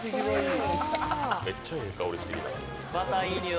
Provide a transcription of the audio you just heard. めっちゃいい香りしてきた。